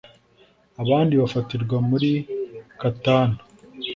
abandi bafatirwa muri Katana